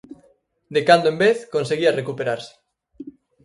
De cando en vez conseguía recuperarse.